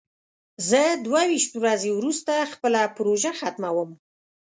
زه دوه ویشت ورځې وروسته خپله پروژه ختموم.